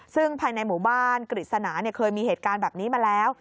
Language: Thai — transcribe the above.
ซึ่งภายในหมู่บ้านกฤษณาเคยมีเหตุการณ์แบบนี้มาแล้ว